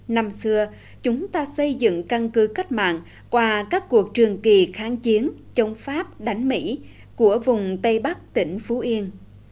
năm xưa chúng ta xây dựng căn cứ cách mạng qua các cuộc trường kỳ kháng chiến chống pháp đánh mỹ của vùng tây bắc tỉnh phú yên